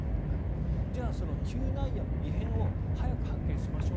じゃあ、その嗅内野の異変を早く発見しましょう